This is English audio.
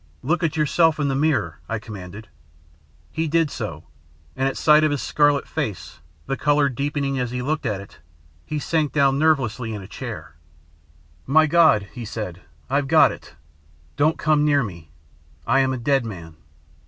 "'Look at yourself in the mirror,' I commanded. [Illustration: Look at yourself in the mirror 100] "He did so, and at sight of his scarlet face, the color deepening as he looked at it, he sank down nervelessly in a chair. "'My God!' he said. 'I've got it. Don't come near me. I am a dead man.'